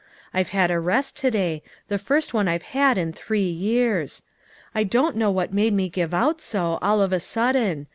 I've had a rest to day ; the first one I have had in three years. I don't know what made me give out so, all of a sudden.